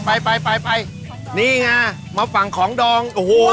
ไปนี่ไงมาฝั่งของดอง